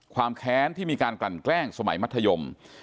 แค้นที่มีการกลั่นแกล้งสมัยมัธยม